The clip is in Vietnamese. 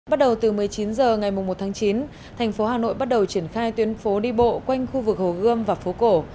bắt đầu từ một mươi chín h ngày một tháng chín thành phố hà nội bắt đầu triển khai tuyến phố đi bộ quanh khu vực hồ gươm và phố cổ